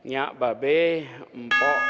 ya bapak bapak